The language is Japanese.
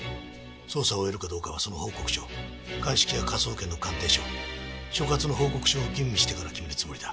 捜査を終えるかどうかはその報告書鑑識や科捜研の鑑定書所轄の報告書を吟味してから決めるつもりだ。